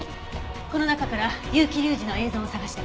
この中から結城隆司の映像を捜して。